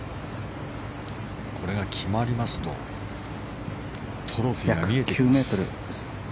これが決まりますとトロフィーが見えてきます。